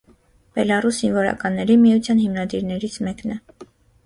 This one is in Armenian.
Բելառուս զինվորականների միության հիմնադիրներից մեկն է։